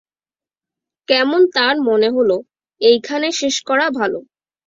কেমন তার মনে হল, এইখানে শেষ করা ভালো।